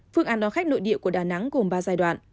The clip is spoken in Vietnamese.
phương án đón khách nội địa của đà nẵng gồm ba giai đoạn